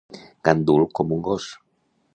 Gandul com un gos.